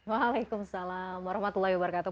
waalaikumsalam warahmatullahi wabarakatuh